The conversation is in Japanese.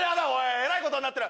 えらいことになってる！